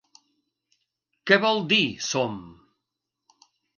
Què vol dir som?